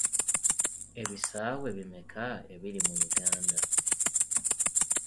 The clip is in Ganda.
Ebisaawe bimeka ebiri mu Uganda?